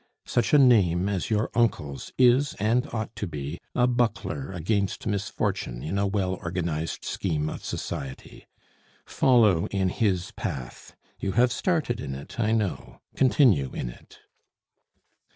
Such a name as your uncle's is, and ought to be, a buckler against misfortune in a well organized scheme of society. Follow in his path; you have started in it, I know; continue in it."